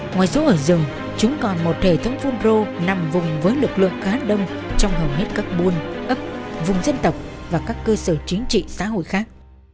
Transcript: ngoài số ở rừng chúng còn một hệ thống phun rô nằm vùng với lực lượng khá đông trong hầu hết các buôn ấp vùng dân tộc và các cơ sở chính trị xã hội khác